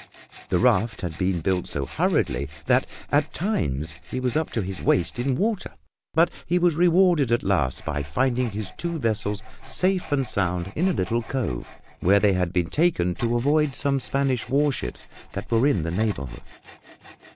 The raft had been built so hurriedly that at times he was up to his waist in water, but he was rewarded at last by finding his two vessels safe and sound in a little cove where they had been taken to avoid some Spanish warships that were in the neighborhood.